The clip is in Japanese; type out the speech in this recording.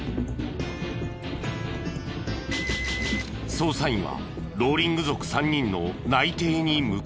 捜査員はローリング族３人の内偵に向かった。